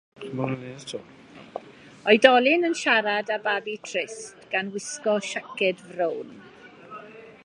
Oedolyn yn siarad â babi trist, gan wisgo siaced frown.